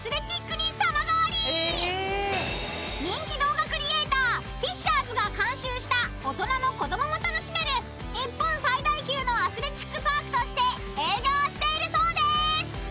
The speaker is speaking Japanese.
［人気動画クリエイターフィッシャーズが監修した大人も子供も楽しめる日本最大級のアスレチックパークとして営業しているそうです］